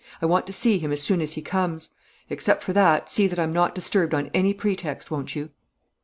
I want to see him as soon as he comes. Except for that, see that I'm not disturbed on any pretext, won't you?"